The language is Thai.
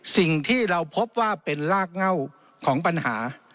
สิ่งที่เราพบว่าเป็นรากเง่าของปัญหา